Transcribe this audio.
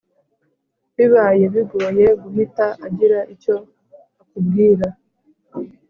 biba bigoye guhita agira icyo akubwira